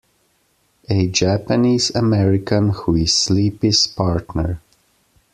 A Japanese-American who is Sleepy's partner.